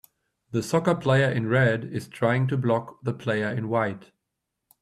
The soccer player in red is trying to block the player in white.